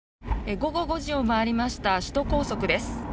午後５時を回りました首都高速です。